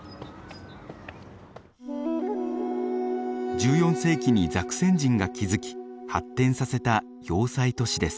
１４世紀にザクセン人が築き発展させた要塞都市です。